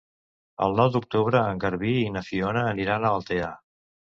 El nou d'octubre en Garbí i na Fiona aniran a Altea.